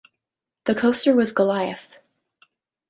The coaster was Goliath.